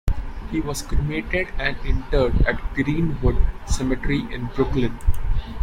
He was cremated and interred at Green-Wood Cemetery in Brooklyn.